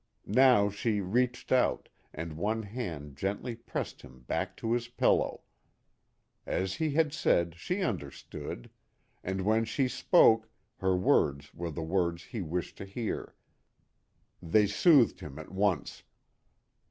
Now she reached out, and one hand gently pressed him back to his pillow. As he had said, she understood; and when she spoke, her words were the words he wished to hear. They soothed him at once.